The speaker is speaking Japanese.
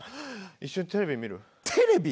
一緒にテレビ見る？テレビ？